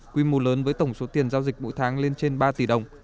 quy mô lớn với tổng số tiền giao dịch mỗi tháng lên trên ba tỷ đồng